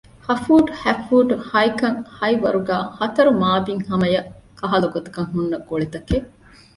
ހަ ފޫޓު ހަތް ފޫޓު ހައިކަށް ހައި ވަރުގައި ހަތަރު މާބިތް ހަމަޔަށް ކަހަލަ ގޮތަކަށް ހުންނަ ގޮޅިތަކެއް